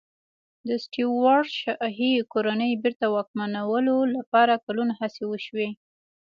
د سټیوراټ شاهي کورنۍ بېرته واکمنولو لپاره کلونه هڅې وشوې.